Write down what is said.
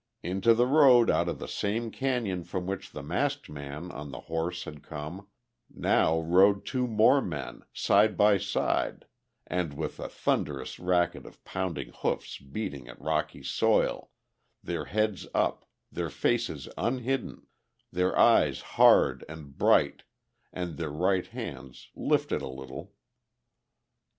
Into the road out of the same cañon from which the masked man on the horse had come now rode two more men, side by side and with a thunderous racket of pounding hoofs beating at rocky soil, their heads up, their faces unhidden, their eyes hard and bright and their right hands lifted a little.